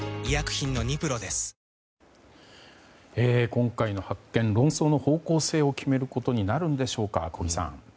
今回の発見論争の方向性を決めることになるんでしょうか。